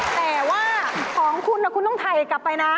แต่ว่าของคุณคุณต้องถ่ายกลับไปนะ